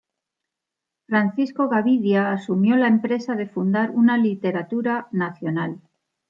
Francisco Gavidia asumió la empresa de fundar una literatura nacional.